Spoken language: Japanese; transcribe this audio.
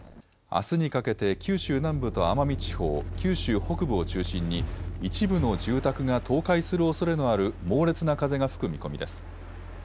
あすにかけて九州南部と奄美地方、九州北部を中心に一部の住宅が倒壊するおそれのある猛烈な風が吹く見込みです。